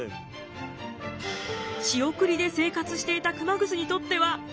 仕送りで生活していた熊楠にとっては大問題。